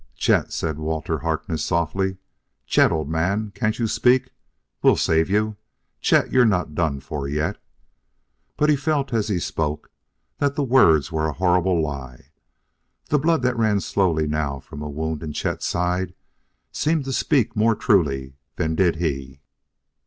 "Chet," said Walter Harkness softly. "Chet, old man can't you speak? We'll save you, Chet; you're not done for yet." But he felt as he spoke that the words were a horrible lie; the blood that ran slowly now from a wound in Chet's side seemed to speak more truly than did he.